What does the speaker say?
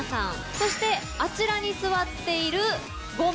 そしてあちらに座っている５名。